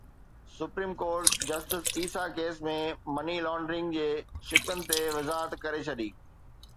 supreme court justice Isa case ۾ money laundering جي شقن تي وضاحت ڪري ڇڏي